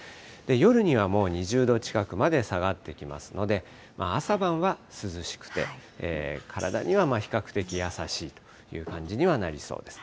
夜にはもう２０度近くまで下がってきますので、朝晩は涼しくて、体には比較的優しいという感じにはなりそうです。